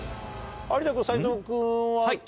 有田君斎藤君は。